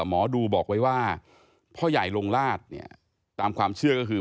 หมอดูบอกไว้ว่าพ่อใหญ่ลงราชเนี่ยตามความเชื่อก็คือ